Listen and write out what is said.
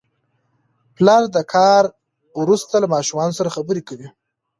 پلر د کار وروسته له ماشومانو سره خبرې کوي